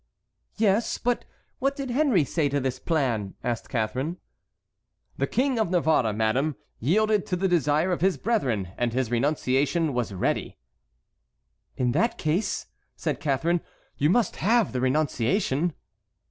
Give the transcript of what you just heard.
"Yes, but what did Henry say to this plan?" asked Catharine. "The King of Navarre, madame, yielded to the desire of his brethren, and his renunciation was ready." "In that case," said Catharine, "you must have the renunciation."